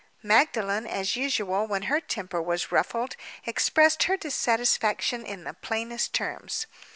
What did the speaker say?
Magdalen, as usual when her temper was ruffled, expressed her dissatisfaction in the plainest terms.